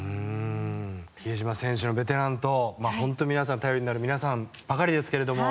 比江島選手のベテランと本当、頼りになる皆さんばかりですけれども。